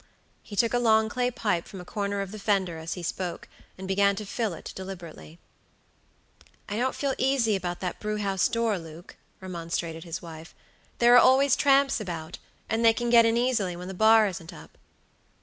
He took a long clay pipe from a corner of the fender as he spoke, and began to fill it deliberately. "I don't feel easy about that brew house door, Luke," remonstrated his wife; "there are always tramps about, and they can get in easily when the bar isn't up."